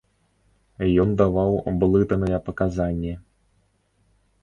Ён даваў блытаныя паказанні.